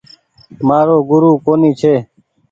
مآرو گورو ڪونيٚ ڇي۔